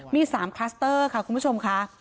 มี๓คลัสเตอร์ค่ะคุณผู้ชมค่ะ